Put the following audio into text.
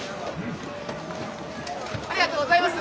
ありがとうございます！